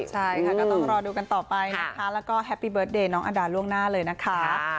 ใช่ค่ะก็ต้องรอดูกันต่อไปนะคะแล้วก็แฮปปี้เบิร์ตเดย์น้องอาดาล่วงหน้าเลยนะคะ